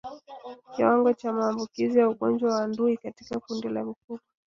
Kiwango cha maambukizi ya ugonjwa wa ndui katika kundi la mifugo